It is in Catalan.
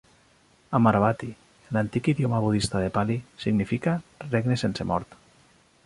"Amaravati" en l'antic idioma budista de Pali significa "regne sense mort".